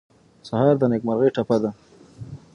سهار د نیکمرغۍ ټپه ده.